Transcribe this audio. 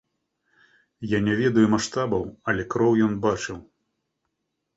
Я не ведаю маштабаў, але кроў ён бачыў.